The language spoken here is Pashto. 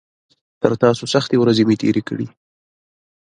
تر تاسو سختې ورځې مې تېرې کړي.